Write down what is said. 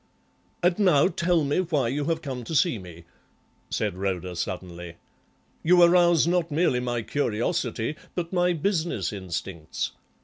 "And now tell me why you have come to see me," said Rhoda suddenly. "You arouse not merely my curiosity but my business instincts.